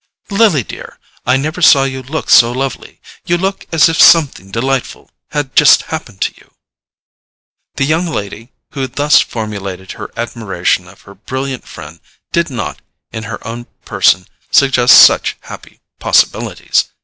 "Lily, dear, I never saw you look so lovely! You look as if something delightful had just happened to you!" The young lady who thus formulated her admiration of her brilliant friend did not, in her own person, suggest such happy possibilities.